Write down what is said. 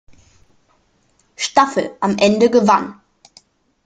Staffel am Ende gewann.